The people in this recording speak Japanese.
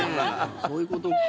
そういうことか。